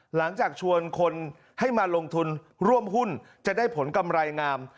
หลังจากชวนคนให้มาลงทุนร่วมหุ้นจะได้ผลกำไรงาม